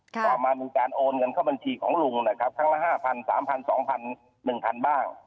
ต่อมามีการโอนเงินเข้าบัญชีของลุงนะครับครั้งละ๕๐๐๓๐๐๒๐๐๐บ้าง